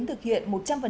thực hiện một trăm linh